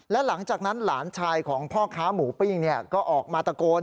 และหลังจากนั้นหลานชายของพ่อค้าหมูปิ้งก็ออกมาตะโกน